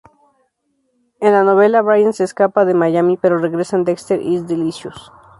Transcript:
En la novela, Brian se escapa de Miami, pero regresa en "Dexter Is Delicious".